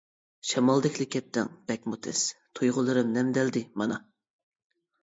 شامالدەكلا كەتتىڭ بەكمۇ تېز، تۇيغۇلىرىم نەمدەلدى مانا.